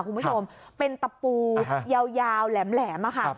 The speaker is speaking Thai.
คุณผู้ชมเป็นตะปูยาวแหลมค่ะ